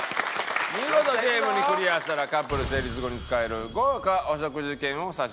見事ゲームにクリアしたらカップル成立後に使える豪華お食事券を差し上げます。